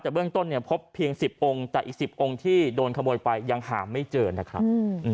แต่เบื้องต้นเนี่ยพบเพียง๑๐องค์แต่อีก๑๐องค์ที่โดนขโมยไปยังหาไม่เจอนะครับ